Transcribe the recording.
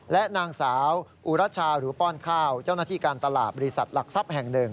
และนางสาวอุรัชชาหรือป้อนข้าวเจ้าหน้าที่การตลาดบริษัทหลักทรัพย์แห่ง๑